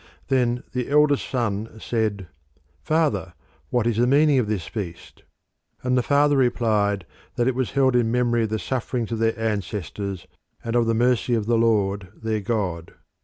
Then the eldest son said, "Father, what is the meaning of this feast?" And the father replied that it was held in memory of the sufferings of their ancestors, and of the mercy of the Lord their God.